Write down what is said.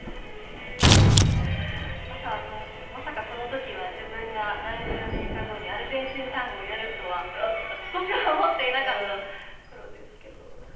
まさかこの時は自分が何十年か後にアルゼンチンタンゴをやるとは少しも思っていなかった頃ですけど。